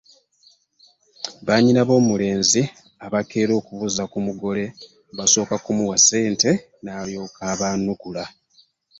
Bannyina b’omulenzi abakeera okubuuza ku mugole basooka kumuwa ssente n’alyoka abaanukula.